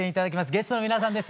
ゲストの皆さんです。